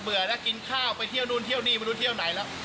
แล้วกินข้าวไปเที่ยวนู่นเที่ยวนี่ไม่รู้เที่ยวไหนแล้ว